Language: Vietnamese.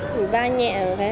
vì va nhẹ mà thấy cũng rất là đau